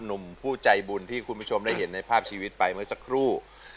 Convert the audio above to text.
หนุ่มผู้ใจบุญที่คุณผู้ชมได้เห็นในภาพชีวิตไปเมื่อสักครู่